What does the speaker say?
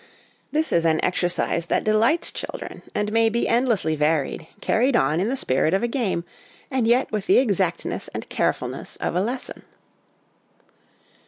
This is an exercise that delights children, and may be endlessly varied, carried on in the spirit of a game, and yet with the exactness and carefulness of a lesson.